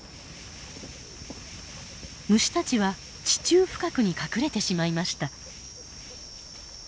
虫たちは地中深くに隠れてしまいました。